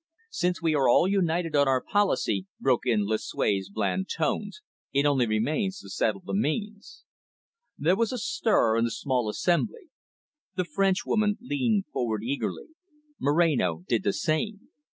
"Since we are all united on our policy," broke in Lucue's bland tones, "it only remains to settle the means." There was a stir in the small assembly. The Frenchwoman leaned forward eagerly; Moreno did the same.